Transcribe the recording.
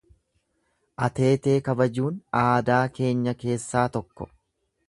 Ateetee kabajuun aadaa keenya keessaa tokko.